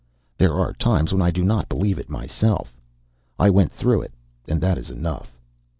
There are times when I do not believe it myself. I went through it, and that is enough.